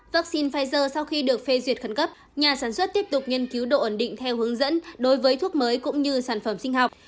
vaccine pfizer sau khi được phê duyệt khẩn cấp nhà sản xuất tiếp tục nghiên cứu độ ẩn định theo hướng dẫn đối với thuốc mới cũng như sản phẩm sinh học